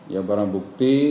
ya barang bukti